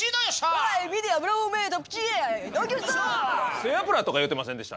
背脂とか言うてませんでした？